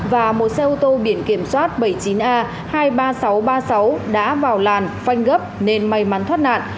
và một xe ô tô biển kiểm soát bảy mươi chín a hai mươi ba nghìn sáu trăm ba mươi sáu đã vào làn phanh gấp nên may mắn thoát nạn